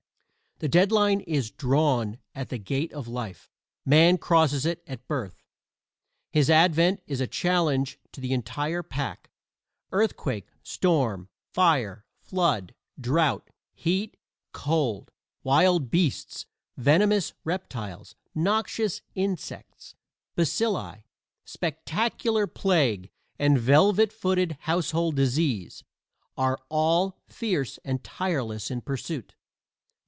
The dead line is drawn at the gate of life: Man crosses it at birth. His advent is a challenge to the entire pack earthquake, storm, fire, flood, drought, heat, cold, wild beasts, venomous reptiles, noxious insects, bacilli, spectacular plague and velvet footed household disease all are fierce and tireless in pursuit.